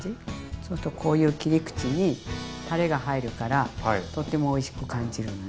そうするとこういう切り口にたれが入るからとってもおいしく感じるのね。